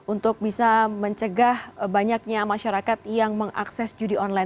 untuk bisa mencegah banyaknya masyarakat yang mengakses judi online